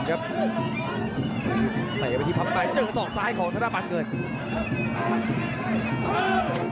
เจอส่องซ้ายของธนาปันเกิด